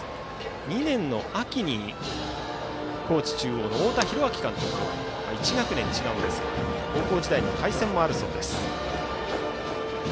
２年の秋に高知中央の太田弘昭監督と１学年違うんですが高校時代に対戦があるそうです。